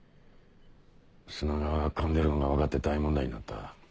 砂川がかんでるんが分かって大問題になった。